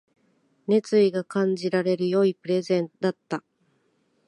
熱意が感じられる良いプレゼンだった